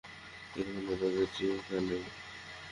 এটা তো কোনো রোগের টিকা নয়।